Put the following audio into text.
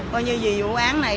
coi như vì vụ án này